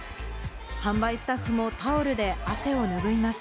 販売スタッフもタオルで汗をぬぐいます。